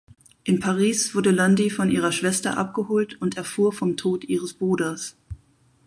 In Paris wurde Lundy von ihrer Schwester abgeholt und erfuhr vom Tod ihres Bruders.